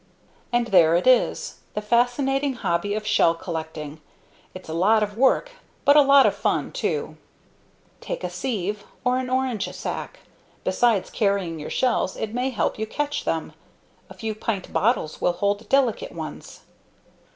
.. .And there it is, the fascinating hobby of shell collecting. It's a lot of work but a lot of fun, too. [figure captions] Take a SIEVE. Or an orange sack. Besides carrying your shells, it may help you catch them. A few pint BOTTLES will hold delicate ones.